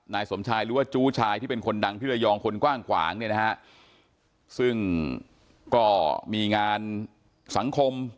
นายสมชายหรือว่าจู้ชายที่เป็นคนดังที่ระยองคนกว้างขวางเนี่ยนะฮะซึ่งก็มีงานสังคม